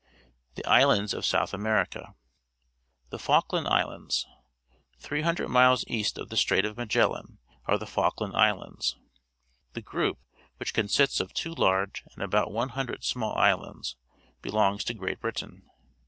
THE ISLANDS OF SOUTH AMERICA The Falkland Islands. — Three himdred miles east of the Strait of Magellan are the Falkland Islands. The group, which con sists of two large and about one hundred small islands, belongs to Great Britain.